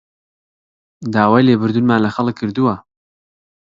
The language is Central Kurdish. داوای لێبوردنمان لە خەڵک کردووە